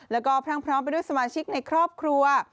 แล้วก็พรั่งพร้อมไปด้วยสมาชิกในครอบครัว